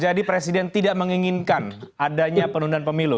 jadi presiden tidak menginginkan adanya penundaan pemilu